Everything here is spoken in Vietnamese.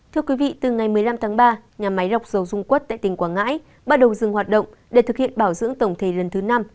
thưa quý vị từ ngày một mươi năm tháng ba nhà máy lọc dầu dung quất tại tỉnh quảng ngãi bắt đầu dừng hoạt động để thực hiện bảo dưỡng tổng thể lần thứ năm